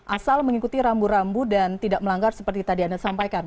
asal mengikuti rambu rambu dan tidak melanggar seperti tadi anda sampaikan